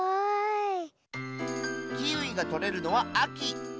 キウイがとれるのはあき。